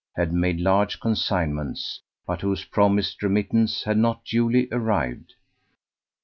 had made large consignments, but whose promised remittance had not duly arrived.